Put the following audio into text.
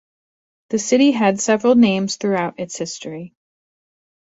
The city had several names throughout its history.